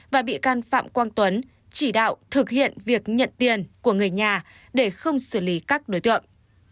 và bị can phạm quang tuấn chỉ đạo thực hiện việc nhận tiền của người nhà để không xử lý các đối tượng